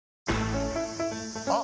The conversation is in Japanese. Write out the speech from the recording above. あ！